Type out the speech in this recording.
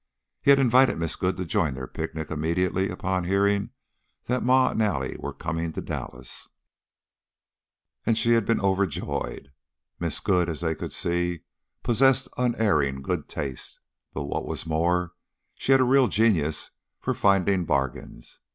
He had invited Miss Good to join their picnic immediately upon hearing that Ma and Allie were coming to Dallas, and she had been overjoyed. Miss Good, as they could see, possessed unerring good taste, but what was more, she had a real genius for finding bargains.